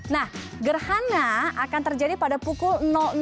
nah gerhana akan terjadi pada pukul tiga belas